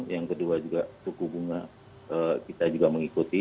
yang kedua juga suku bunga kita juga mengikuti